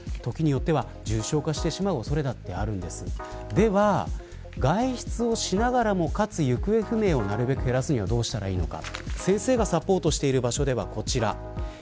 では外出をしながらもかつ行方不明をなるべく減らすにはどうしたらいいのか。